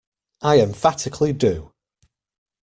I emphatically do.